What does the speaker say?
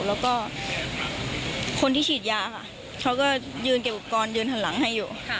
แล้วก็คนที่ฉีดยาค่ะเขาก็ยืนเก็บอุปกรณ์ยืนหันหลังให้อยู่